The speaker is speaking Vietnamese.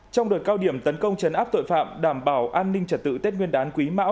trong đợt cao điểm tấn công chấn áp tội phạm đảm bảo an ninh trật tự tết nguyên đán quý mão